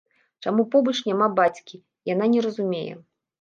Чаму побач няма бацькі, яна не разумее.